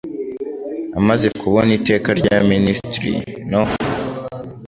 Amaze kubona Iteka rya Minisitiri no